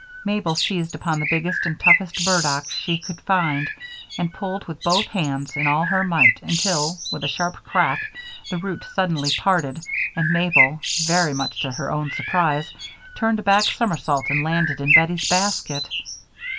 Mabel seized upon the biggest and toughest burdock she could find and pulled with both hands and all her might, until, with a sharp crack, the root suddenly parted and Mabel, very much to her own surprise, turned a back somersault and landed in Bettie's basket.